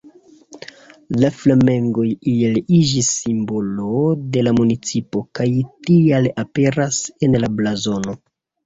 La flamengoj iel iĝis simbolo de la municipo kaj tial aperas en la blazono.